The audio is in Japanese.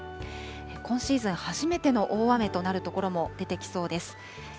今シーズン初めての大雨となる所も出てきそうです。